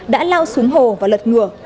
đã lao xuống hồ và lật ngựa